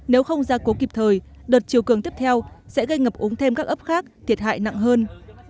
nếu không gia cố kịp thời đợt chiều cường tiếp theo sẽ gây ngập úng thêm các ấp khác thiệt hại nặng hơn